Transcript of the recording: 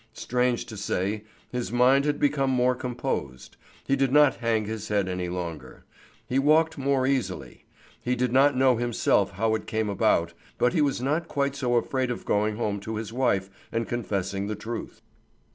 Strange to say, his mind had become more composed. He did not hang his head any longer. He walked more easily. He did not know himself how it came about, but he was not quite so afraid of going home to his wife and confessing the truth.